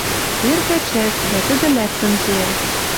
Эрта чӓс, дӓ тӹдӹ лӓктӹн кеӓ